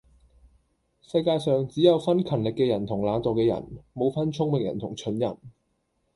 世界上只有分勤力嘅人同懶惰嘅人，冇分聰明人同蠢人